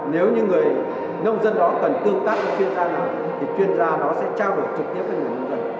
nếu như người nông dân đó cần tương tác với chuyên gia đó thì chuyên gia nó sẽ trao đổi trực tiếp với người nông dân